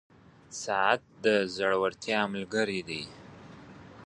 • ساعت د زړورتیا ملګری دی.